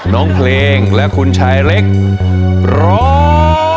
น้องเพลงและคุณชายเล็กร้อง